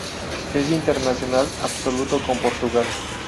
Es internacional absoluto con Portugal.